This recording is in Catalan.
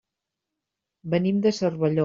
Venim de Cervelló.